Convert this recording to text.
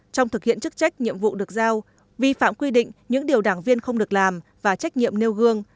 trong thực hiện chức trách nhiệm vụ được giao vi phạm quy định những điều đảng viên không được làm và trách nhiệm nêu gương